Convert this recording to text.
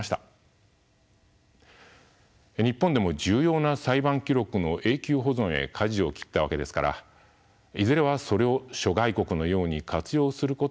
日本でも重要な裁判記録の永久保存へかじを切ったわけですからいずれはそれを諸外国のように活用することが議論になるでしょう。